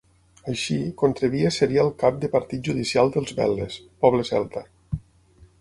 Així, Contrebia seria el cap de partit judicial dels bel·les, poble celta.